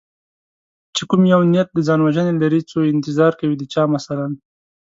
چې کوم یو نیت د ځان وژنې لري څو انتظار کوي د چا مثلا